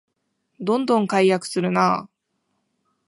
どんどん改悪するなあ